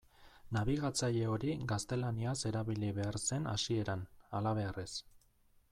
Nabigatzaile hori gaztelaniaz erabili behar zen hasieran, halabeharrez.